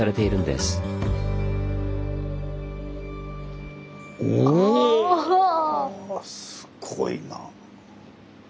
すごいな。